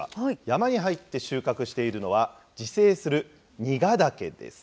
山に入って収穫しているのは、自生するニガダケです。